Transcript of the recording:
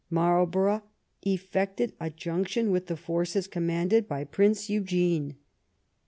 Marlborough effected a junction with the force commanded by Prince Eugene.